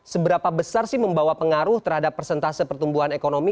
seberapa besar sih membawa pengaruh terhadap persentase pertumbuhan ekonomi